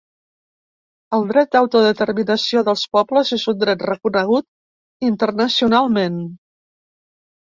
El dret d’autodeterminació dels pobles és un dret reconegut internacionalment.